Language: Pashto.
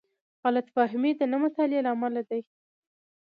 غلط فهمۍ د نه مطالعې له امله دي.